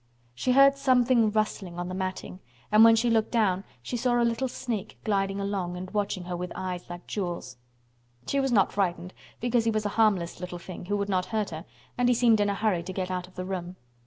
She heard something rustling on the matting and when she looked down she saw a little snake gliding along and watching her with eyes like jewels. She was not frightened, because he was a harmless little thing who would not hurt her and he seemed in a hurry to get out of the room.